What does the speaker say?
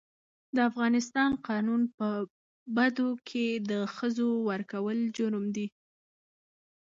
د افغانستان قانون په بدو کي د ښځو ورکول جرم ګڼي.